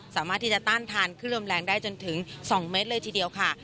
สามารถที่จะต้านทานขึ้นลมแรงได้จนถึง๒เมตรเลยทีเดียวค่ะ